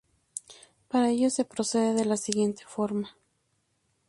Para ello, se procede de la siguiente forma.